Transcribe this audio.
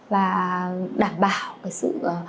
và đảm bảo sự